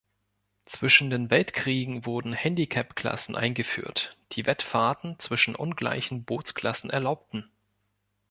Zwischen den Weltkriegen wurden Handicap Klassen eingeführt, die Wettfahrten zwischen ungleichen Bootsklassen erlaubten.